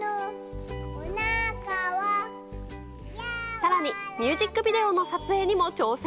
さらに、ミュージックビデオの撮影にも挑戦。